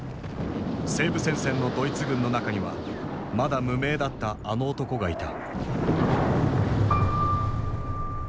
西部戦線のドイツ軍の中にはまだ無名だったあの男がいた。